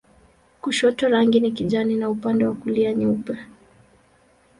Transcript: Kushoto rangi ni kijani na upande wa kulia nyeupe.